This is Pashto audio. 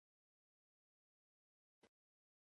• ځینې نومونه د دعا، نیکمرغۍ او سوکالۍ معنا لري.